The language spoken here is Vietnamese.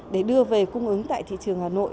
để đưa về cung ứng tại thị trường hà nội